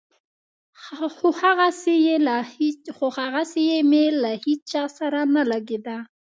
خو هغسې مې له هېچا سره نه لګېده.